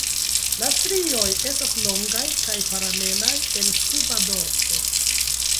La strioj estas longaj kaj paralelaj en suba dorso.